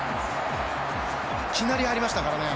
いきなり入りましたからね。